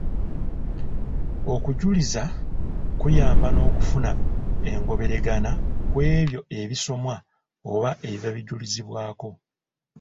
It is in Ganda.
Era okujuliza kuyamba n’okufuna engoberegana ku ebyo ebisomwa oba ebiba bijlizibwako.